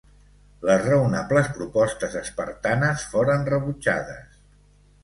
Les raonables propostes espartanes foren rebutjades.